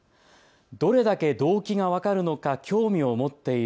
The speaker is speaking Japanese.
どれだけ動機が分かるのか興味を持っている。